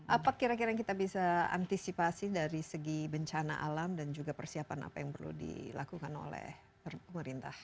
apa kira kira yang kita bisa antisipasi dari segi bencana alam dan juga persiapan apa yang perlu dilakukan oleh pemerintah